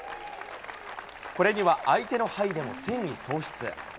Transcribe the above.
これには相手のハイデも戦意喪失。